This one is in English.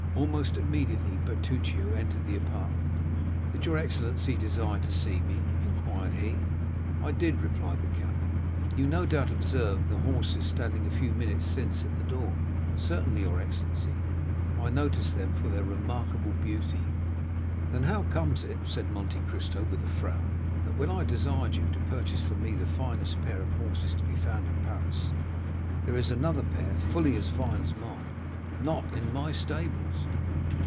Almost immediately Bertuccio entered the apartment. "Did your excellency desire to see me?" inquired he. "I did," replied the count. "You no doubt observed the horses standing a few minutes since at the door?" "Certainly, your excellency. I noticed them for their remarkable beauty." "Then how comes it," said Monte Cristo with a frown, "that, when I desired you to purchase for me the finest pair of horses to be found in Paris, there is another pair, fully as fine as mine, not in my stables?"